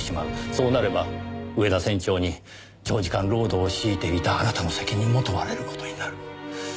そうなれば上田船長に長時間労働を強いていたあなたの責任も問われる事になる。